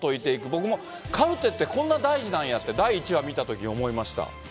僕もカルテってこんな大事なんやって、第１話見たとき、思いまし